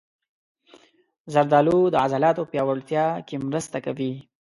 زردالو د عضلاتو پیاوړتیا کې مرسته کوي.